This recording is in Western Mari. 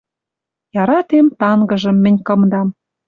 Яратем тангыжым мӹнь кымдам